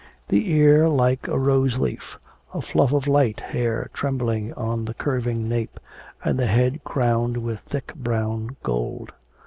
The ear like a rose leaf; a fluff of light hair trembling on the curving nape, and the head crowned with thick brown gold.